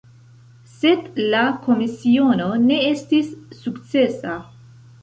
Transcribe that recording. Sed la komisiono ne estis sukcesa.